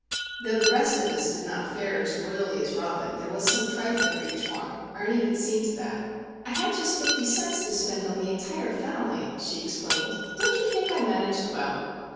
Though the rest of us did not fare as royally as Robin, there was some trifle for each one;—Ernie had seen to that. "I had just fifty cents to spend on the entire family," she explained. "Don't you think I managed well?"